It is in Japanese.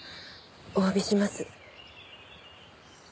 おわびします。